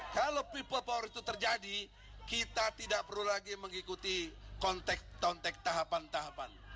kalau people power itu terjadi kita tidak perlu lagi mengikuti konteks tahapan tahapan